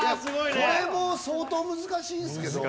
これも相当難しいんですけど。